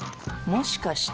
もしかして